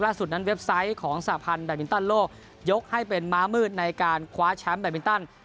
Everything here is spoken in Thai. สุดนั้นเว็บไซต์ของสหพันธ์แบบมินตันโลกยกให้เป็นม้ามืดในการคว้าแชมป์แบตมินตัน